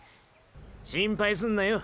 心配すんなよ。